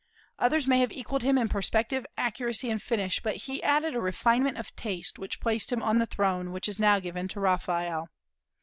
Others may have equalled him in perspective, accuracy, and finish, but he added a refinement of taste which placed him on the throne which is now given to Raphael.